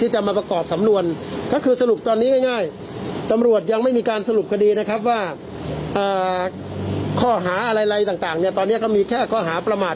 ว่าอ่าข้อหาอะไรอะไรต่างต่างเนี้ยตอนเนี้ยก็มีแค่ข้อหาประมาท